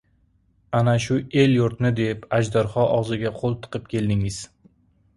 Ana shu el-yurtni deb, ajdarho og‘ziga qo‘l tiqib keldingiz!